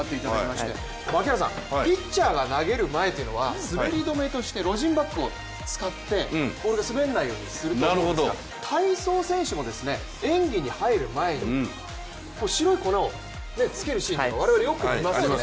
槙原さん、ピッチャーが投げる前というのは滑り止めとしてロジンバッグを使って、ボールが滑らないようにすると思うんですが体操選手も、演技に入る前に白い粉をつけるシーンって我々、よく見ますよね。